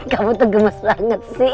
kamu tuh gemes banget sih